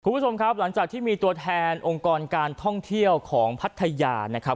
คุณผู้ชมครับหลังจากที่มีตัวแทนองค์กรการท่องเที่ยวของพัทยานะครับ